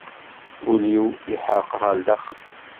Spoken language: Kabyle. Ul-iw iḥreq ɣer daxel.